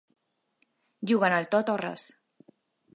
Juguen al tot o res.